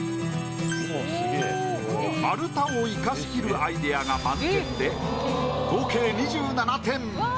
丸太を生かしきるアイデアが満点で合計２７点。